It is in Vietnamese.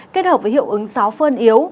kết hợp với hiệu ứng só phơn yếu